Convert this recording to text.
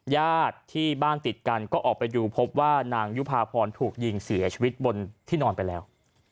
ญาติที่บ้านติดกันก็ออกไปดูพบว่านางยุภาพรถูกยิงเสียชีวิตบนที่นอนไปแล้ว